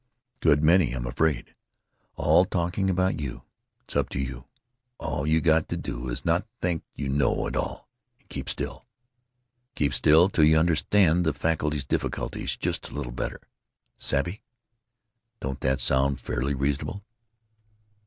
"Good many, I'm afraid. All talking about you.... It's up to you. All you got to do is not think you know it all, and keep still. Keep still till you understand the faculty's difficulties just a little better. Savvy? Don't that sound fairly reasonable?"